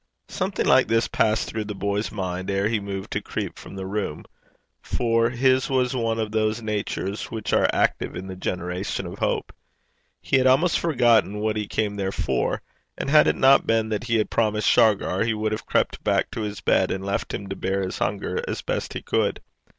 Something like this passed through the boy's mind ere he moved to creep from the room, for his was one of those natures which are active in the generation of hope. He had almost forgotten what he came there for; and had it not been that he had promised Shargar, he would have crept back to his bed and left him to bear his hunger as best he could.